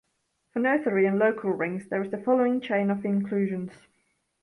For Noetherian local rings, there is the following chain of inclusions.